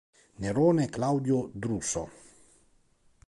Nerone Claudio Druso